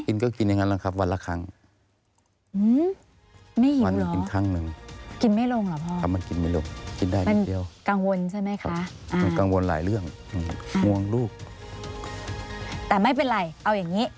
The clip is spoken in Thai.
กินก็กินอย่างนั้นละครับวันละครั้ง